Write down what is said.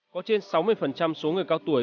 có trên sáu mươi số người cao tuổi